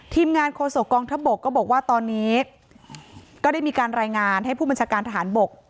ทีมงานโฆษกองทัพบกก็บอกว่าตอนนี้ก็ได้มีการรายงานให้ผู้บัญชาการทหารบก